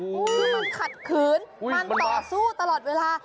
คือมันขัดขืนมันต่อสู้ตลอดเวลา